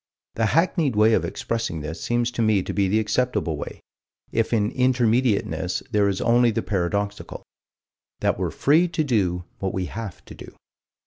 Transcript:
The hackneyed way of expressing this seems to me to be the acceptable way, if in Intermediateness, there is only the paradoxical: that we're free to do what we have to do.